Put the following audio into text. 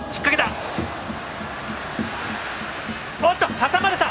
挟まれた！